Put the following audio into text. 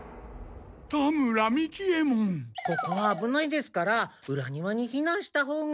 ここはあぶないですからうら庭にひなんしたほうが。